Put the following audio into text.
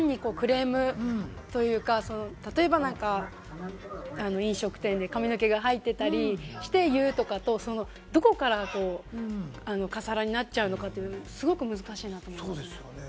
単にクレームというか、例えば、飲食店で髪の毛が入ってたりして言うとかとどこからカスハラになっちゃうのか、すごく難しいなと思いますね。